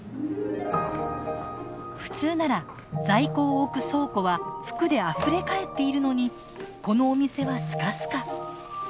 普通なら在庫を置く倉庫は服であふれかえっているのにこのお店はスカスカ。